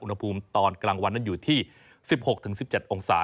อุณหภูมิตอนกลางวันนั้นอยู่ที่สิบหกถึงสิบเจ็ดองศา